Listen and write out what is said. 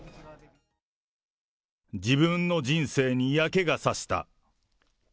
自分の人生に嫌気がさした。